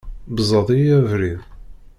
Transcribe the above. Beẓẓed-iyi abrid!